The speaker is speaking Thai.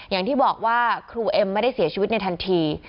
อย่างที่บอกว่าครูเอ็มไม่ได้เสียชีวิตในทันที